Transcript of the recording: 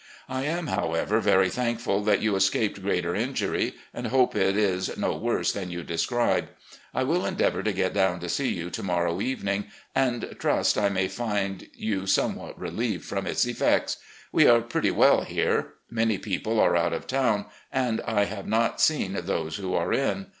I am, however, very thankful that you escaped greater injury, and hope it is no worse than you describe. I will endeavour to get down to see you to morrow evening, and trust I may find you somewhat relieved from its effects. We are pretty well here. Many people are out of town, and I have not seen those who are in.